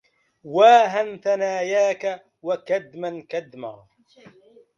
واهاً ثناياكَ وكَدماً كدما